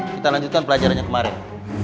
kita lanjutkan pelajarannya kemarin